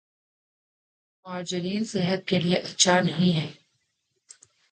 margarine صحت کے لئے اچھا نہیں ہے